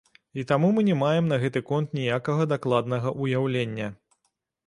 І таму мы не маем на гэты конт ніякага дакладнага ўяўлення.